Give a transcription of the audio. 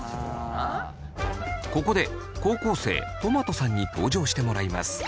ここで高校生とまとさんに登場してもらいます。